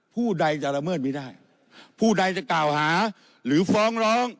ผู้ใดจะละเมิดไม่ได้ผู้ใดจะกล่าวหาหรือฟ้องร้อง